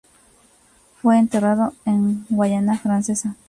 Fue enterrado en Guayana Francesa.